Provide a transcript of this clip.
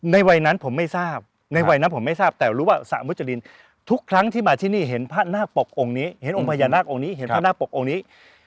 ในวัยนั้นผมไม่ทราบในวัยนั้นผมไม่ทราบแต่รู้ว่าสระมุจรินทุกครั้งที่มาที่นี่เห็นพระนาคปกองค์นี้เห็นองค์พญานาคองค์นี้เห็นพระนาคปกองค์นี้